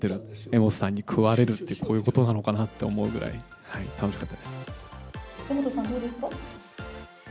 柄本さんに食われるって、こういうことなのかなって思うぐらい、柄本さん、どうですか？